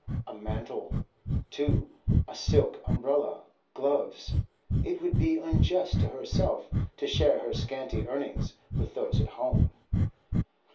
A mantle, too, a silk umbrella, gloves—It would be unjust to herself to share her scanty earnings with those at home.